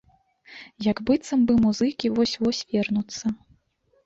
Як быццам бы музыкі вось-вось вернуцца.